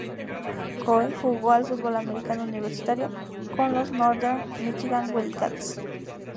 Coe jugó al fútbol americano universitario con los Northern Michigan Wildcats.